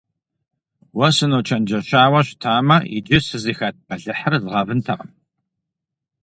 Уэ сыночэнджэщауэ щытамэ, иджы сызыхэт бэлыхьыр згъэвынтэкъым.